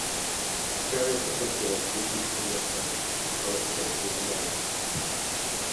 Various other stores, boutiques and restaurants are represented in the mall.